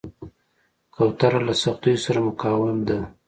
کوتره له سختیو سره مقاوم ده.